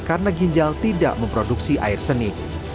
setelah produksi air seni